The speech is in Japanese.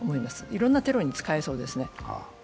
いろんなテロに使えそうですね。